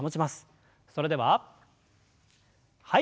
それでははい。